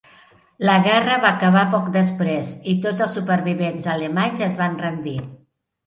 La guerra va acabar poc després i tots els supervivents alemanys es van rendir.